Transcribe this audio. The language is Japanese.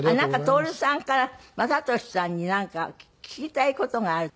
徹さんから雅俊さんになんか聞きたい事がある？